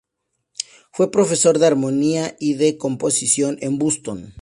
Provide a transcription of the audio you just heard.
Fue profesor de armonía y de composición en Boston.